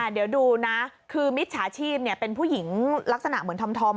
เดี๋ยวดูนะคือมิจฉาชีพเป็นผู้หญิงลักษณะเหมือนธอม